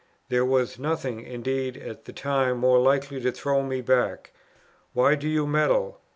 There was nothing, indeed, at the time more likely to throw me back. "Why do you meddle?